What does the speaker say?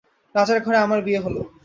রাজার ঘরে আমার বিয়ে হল।